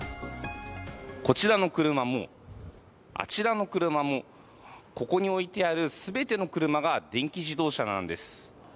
こちらの車も、あちらの車もここに置いてある全ての車が電気自動車なんです。